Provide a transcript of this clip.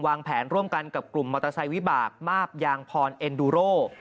แผนร่วมกันกับกลุ่มมอเตอร์ไซค์วิบากมาบยางพรเอ็นดูโร่